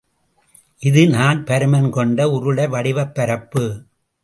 இது நாற்பருமன் கொண்ட உருளை வடிவப்பரப்பு.